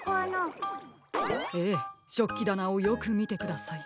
ええしょっきだなをよくみてください。